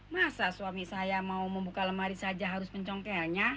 masa suami saya mau membuka lemari saja harus mencongkelnya